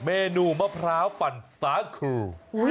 เมนูมะพร้าวปั่นสาคู